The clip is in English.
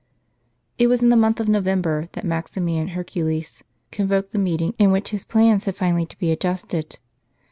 It was in the month of November, that Maximian Hercu leus convoked the meeting in which his plans had finally to be adjusted.